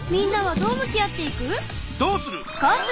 どうする！